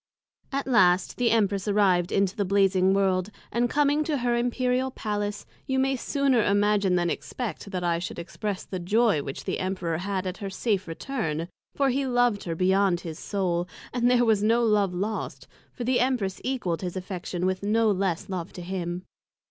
At last the Empress arrived into the Blazing world, and coming to her Imperial Palace, you may sooner imagine than expect that I should express the joy which the Emperor had at her safe return; for he loved her beyond his Soul; and there was no love lost, for the Empress equal'd his Affection with no less love to him.